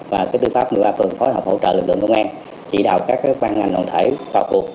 và tư pháp một mươi ba phường phối hợp hỗ trợ lực lượng công an chỉ đạo các ban ngành đoàn thể vào cuộc